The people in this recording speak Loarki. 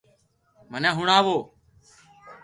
مني ھڻاووُ